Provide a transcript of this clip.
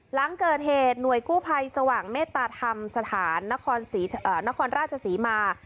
หลังเกิดเหตุหน่วยกู้ภัยสว่างเมตตาธรรมสถานนครราชศรีมา